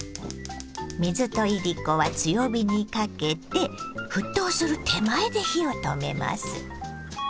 水といりこは強火にかけて沸騰する手前で火を止めます。